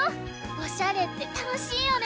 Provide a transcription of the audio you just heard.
おしゃれってたのしいよね！